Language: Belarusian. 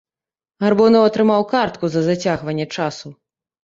Гарбуноў атрымаў картку за зацягванне часу.